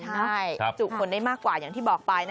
ใช่จุคนได้มากกว่าอย่างที่บอกไป